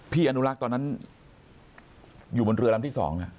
พี่อนุรักษ์ตอนนั้นอยู่บนเรือลำที่สองนะ